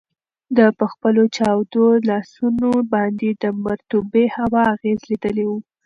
ده په خپلو چاودو لاسونو باندې د مرطوبې هوا اغیز لیدلی و.